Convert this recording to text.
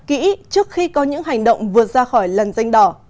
kỹ trước khi có những hành động vượt ra khỏi lần danh đỏ